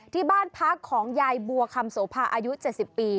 ที่บ้านพักของยายบัวคำโสภาอายุ๗๐ปี